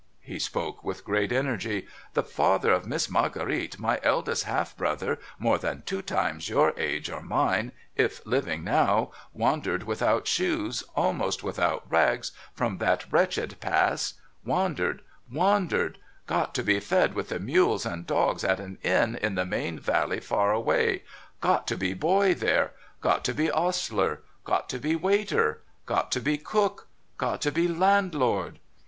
' He spoke with great energy. 'The father of Miss Marguerite, my eldest half brother, more than two times your age or mine, if living now, wandered without shoes, almost without rags, from that wretched Pass — wandered — wandered — got to be fed with the mules and dogs at an Inn in the main valley far away — got to be Boy there — got to be Ostler — got to be Waiter — got to be Cook— got to be Landlord.